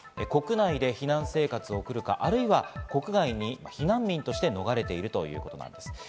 国内で避難生活を送るか、あるいは国外に避難民として逃れているということなんです。